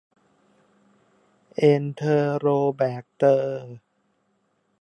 เอนเทอโรแบกเตอร์